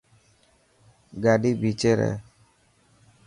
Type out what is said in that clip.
گاڏي ڀيچي رهي.